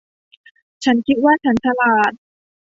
ฉันคิดว่าฉันฉลาด